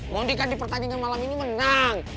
moni kan di pertandingan malam ini menang